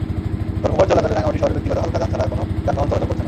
ধর্মঘট চলাকালে রাঙামাটি শহরে ব্যক্তিগত হালকা যান ছাড়া কোনো যানবাহন চলাচল করছে না।